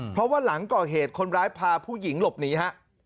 เพราะว่าหลังก่อเหตุคนร้ายพาผู้หญิงหลบหนีฮะ